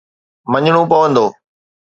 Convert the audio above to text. مڃڻو پوندو.